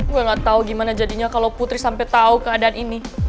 saya gak tahu bagaimana jadinya kalau putri sampai tahu keadaan ini